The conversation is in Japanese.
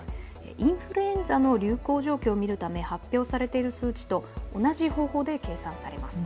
インフルエンザの流行状況を見るため発表されている数値と同じ方法で計算されます。